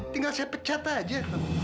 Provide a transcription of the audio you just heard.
tinggal saya pecat aja